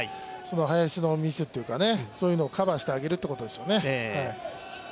林のミスというか、そういうのをカバーしてあげるということですね。